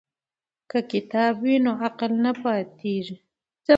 که کتاب وي نو عقل نه پاتیږي.